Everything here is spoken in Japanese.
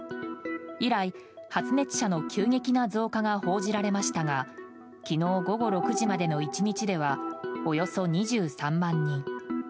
以来、発熱者の急激な増加が報じられましたが昨日午後６時までの１日ではおよそ２３万人。